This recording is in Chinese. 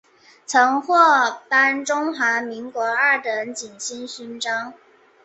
曾获颁中华民国二等景星勋章。